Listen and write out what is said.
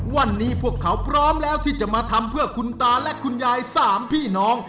วันนี้พวกเขาพร้อมแล้วที่จะมาทำเพื่อคุณตาและคุณยายสามพี่น้อง